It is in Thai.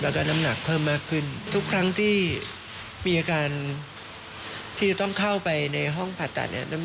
แล้วก็น้ำหนักเพิ่มมากขึ้นทุกครั้งที่มีอาการที่จะต้องเข้าไปในห้องผ่าตัดเนี่ย